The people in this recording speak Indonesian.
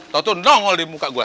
tau tuh nongol di muka gue